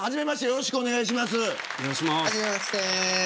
よろしくお願いします。